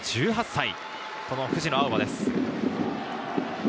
１８歳、藤野あおばです。